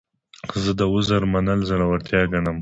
زه د عذر منل زړورتیا ګڼم.